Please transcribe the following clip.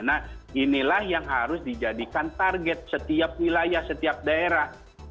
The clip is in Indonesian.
nah inilah yang harus dijadikan target setiap wilayah setiap daerah